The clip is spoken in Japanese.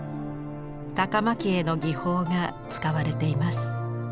高蒔絵の技法が使われています。